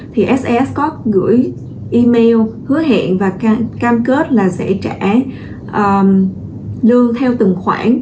thì sas có gửi email hứa hẹn và cam kết là sẽ trả lương theo từng khoản